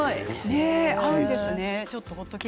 合うんですね。